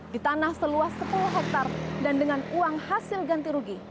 di tanah seluas sepuluh hektare dan dengan uang hasil ganti rugi